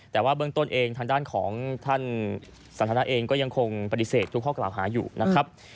แต่ว่าเบื้องต้นเองทางด้านของท่านสันทนาเองก็ยังคงปฏิเสธทุกข้อกล่าวหาอยู่นะครับ